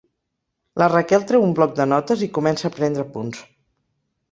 La Raquel treu un bloc de notes i comença a prendre apunts.